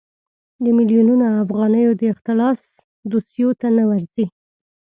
د میلیونونو افغانیو د اختلاس دوسیو ته نه ورځي.